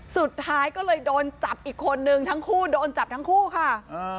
สุดท้ายก็เลยโดนจับอีกคนนึงทั้งคู่โดนจับทั้งคู่ค่ะ